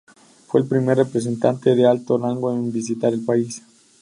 Fue el primer representante de alto rango en visitar el país.